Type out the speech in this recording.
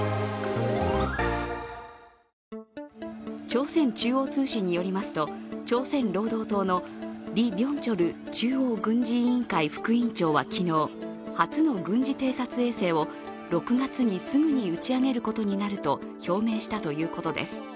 朝鮮中央通信によりますと朝鮮労働党のリ・ビョンチョル中央軍事委員会副委員長は昨日、初の軍事偵察衛星を６月にすぐに打ち上げることになると表明したということです。